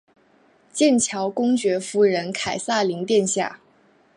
剑桥公爵夫人凯萨琳殿下。